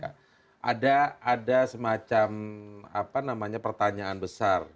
ada semacam apa namanya pertanyaan besar